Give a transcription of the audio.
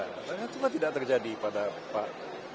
karena itu tidak terjadi pada pak